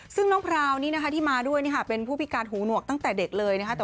ซึ่งน้องพราวนี้นะคะที่มาด้วยเป็นผู้พิการหูหนวกตั้งแต่เด็กเลยนะคะ